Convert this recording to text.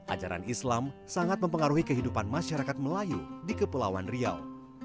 ajaran islam sangat mempengaruhi kehidupan masyarakat melayu di kepulauan riau